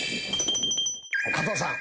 加藤さん。